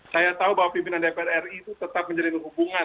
saya tahu bahwa pimpinan dpr ri itu tetap menjalin hubungan